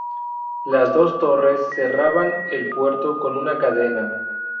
Las dos torres cerraban el puerto con una cadena.